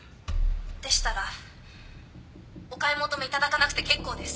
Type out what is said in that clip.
でしたらお買い求めいただかなくて結構です。